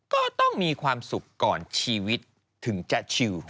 ก็ต้องมีความสุขก่อนชีวิตถึงจะชิว